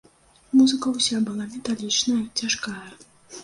Музыка ўся была металічная, цяжкая.